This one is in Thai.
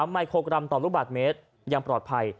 ไมโครกรัมต่อลูกบาทเมตรยังปลอดภัย